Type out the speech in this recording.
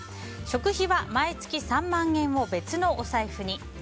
食費は毎月３万円を別のお財布に。